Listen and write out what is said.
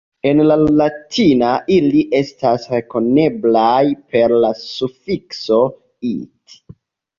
En la latina ili estas rekoneblaj per la sufikso "-it".